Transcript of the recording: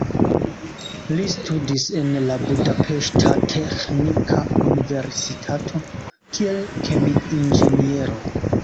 Li studis en la Budapeŝta Teĥnika Universitato kiel kemi-inĝeniero.